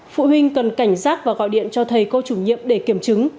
phụ huynh cần cảnh giác và gọi điện cho thầy cô chủ nhiệm để kiểm chứng